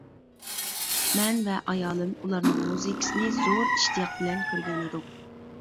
مەن ۋە ئايالىم ئۇلارنىڭ مۇزىكىسىنى زور ئىشتىياق بىلەن كۆرگەن ئىدۇق.